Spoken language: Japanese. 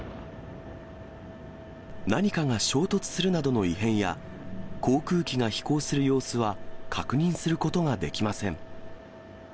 何かが衝突するなどの異変や、航空機が飛行する様子は確認することができません。